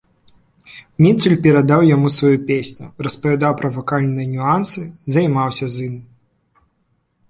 Міцуль перадаў яму сваю песню, распавядаў пра вакальныя нюансы, займаўся з ім.